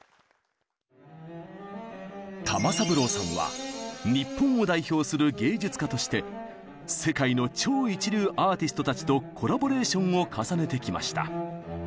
玉三郎さんは日本を代表する芸術家として世界の超一流アーティストたちとコラボレーションを重ねてきました。